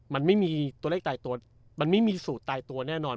มันไม่มีตัวเลขตายตัวมันไม่มีสูตรตายตัวแน่นอน